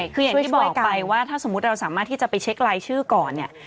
คืออย่างที่บอกไปว่าถ้าสมมุติเราสามารถที่จะไปเช็ครายชื่อก่อนเนี่ย